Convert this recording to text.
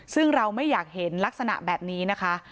ซึ่งเราไม่อยากเห็นลักษณะแบบนี้นะคะ